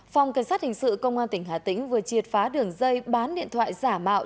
phòng cảnh sát hình sự công an tỉnh hà tĩnh vừa triệt phá đường dây bán điện thoại giả mạo